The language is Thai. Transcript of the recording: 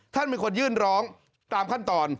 ท่านเป็นคนยื่นร้องตามขั้นตอน